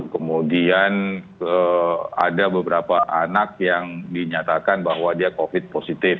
kemudian ada beberapa anak yang dinyatakan bahwa dia covid positif